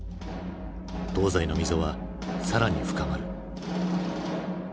東西の溝は更に深まる。